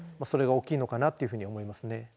それが大きいのかなというふうに思いますね。